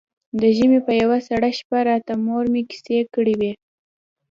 د ژمي په يوه سړه شپه راته مور مې کيسې کړې وې.